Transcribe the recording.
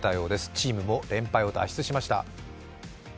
チームも連敗を脱出しました。